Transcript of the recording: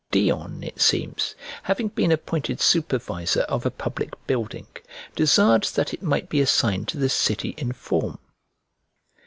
Dion, it seems, having been appointed supervisor of a public building, desired that it might be assigned to the city in form.